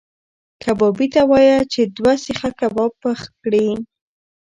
کبابي ته وایه چې دوه سیخه کباب پخ کړي.